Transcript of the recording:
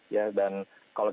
dan kalau kita lihat